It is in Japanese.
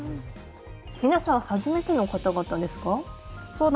皆さん初めての方々ですか？